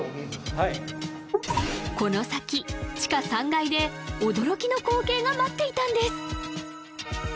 はいこの先地下３階で驚きの光景が待っていたんです！